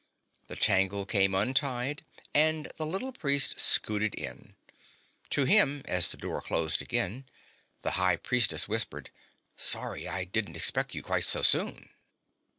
The tangle came untied and the little priest scooted in. To him, as the door closed again, the High Priestess whispered: "Sorry. I didn't expect you quite so soon."